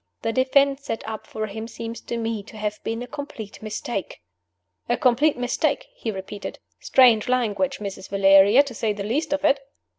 The defense set up for him seems to me to have been a complete mistake." "A complete mistake?" he repeated. "Strange language, Mrs. Valeria, to say the least of it!"